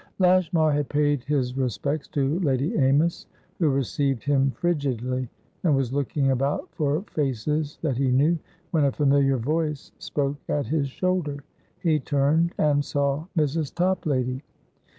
Lashmar had paid his respects to Lady Amys, who received him frigidly, and was looking about for faces that he knew, when a familiar voice spoke at his shoulder; he turned, and saw Mrs. Toplady.